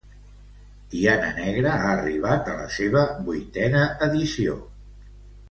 Tiana Negra ha arribat a la seva vuitena edició